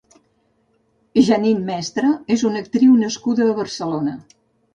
Jeannine Mestre és una actriu nascuda a Barcelona.